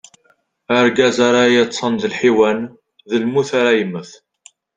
Argaz ara yeṭṭṣen d lḥiwan, d lmut ara yemmet.